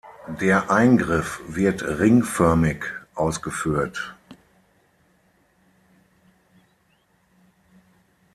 Der Eingriff wird ringförmig ausgeführt.